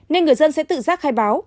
nên người dân sẽ tự giác khai báo